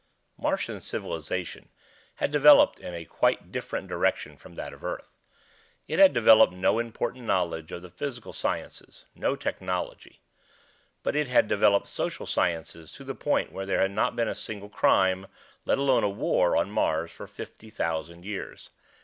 Martian civilization had developed in a quite different direction from that of Earth. It had developed no important knowledge of the physical sciences, no technology. But it had developed social sciences to the point where there had not been a single crime, let alone a war, on Mars for fifty thousand years.